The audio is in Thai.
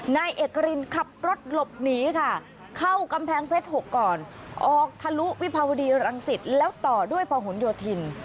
นายเอกรินขับรถหลบหนีค่ะเข้ากำแพงเพชร๖ก่อนออกทะลุวิภาวดีรังสิตแล้วต่อด้วยพหนโยธิน